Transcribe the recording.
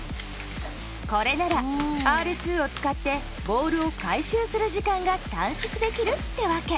これならＲ２を使ってボールを回収する時間が短縮できるってわけ。